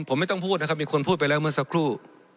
ผมไม่ต้องพูดนะครับมีคนพูดไปแล้วเมื่อสักครู่